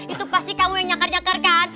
itu pasti kamu yang nyakar nyakar kan